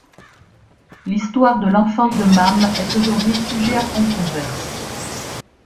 L'histoire de l'enfance de Mam est aujourd'hui sujet à controverse.